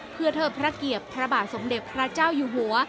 เพื่อเทิดพระเกียรติพระบาทสมเด็จพระเจ้าอยู่หัว